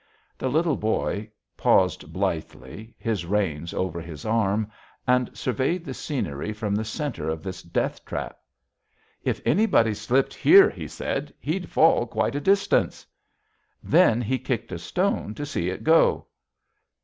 The Little Boy paused blithely, his reins over his arm, and surveyed the scenery from the center of this death trap. "If anybody slipped here," he said, "he'd fall quite a distance." Then he kicked a stone to see it go.